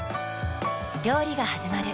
料理がはじまる。